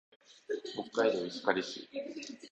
北海道石狩市